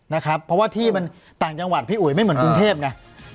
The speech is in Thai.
นะครับเพราะว่าที่มันต่างจังหวัดพี่อุ๋ยไม่เหมือนกรุงเทพไง